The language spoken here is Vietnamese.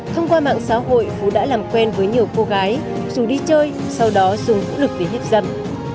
thông qua mạng xã hội phú đã làm quen với nhiều cô gái dù đi chơi sau đó dùng vũ lực để hiếp dâm